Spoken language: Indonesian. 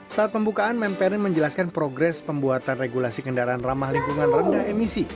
saat pembukaan mempen menjelaskan progres pembuatan regulasi kendaraan ramah lingkungan rendah emisi